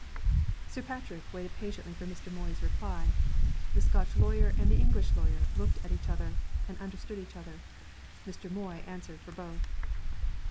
Sir Patrick waited patiently for Mr. Moy's reply. The Scotch lawyer and the English lawyer looked at each other and understood each other. Mr. Moy answered for both.